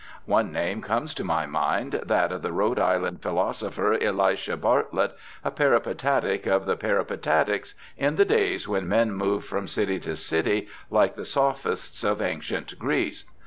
One name comes to m}^ mind, that of the Rhode Island philo sopher, Elisha Bartlett, a peripatetic of the peripatetics, in the days when men moved from city to city, like the Sophists of ancient Greece.